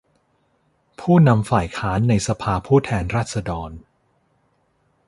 ผู้นำฝ่ายค้านในสภาผู้แทนราษฎร